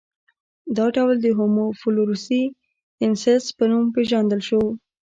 دا ډول د هومو فلورسي ینسیس په نوم پېژندل شو.